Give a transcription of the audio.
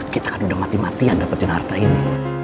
kita kan udah mati matian dapetin harta ini